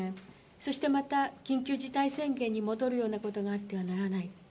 そしてまた、緊急事態宣言に戻るようなことがあってはならない。